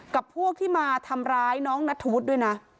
กับพวกที่มาทำร้ายน้องนัทธวุฒิด้วยนะ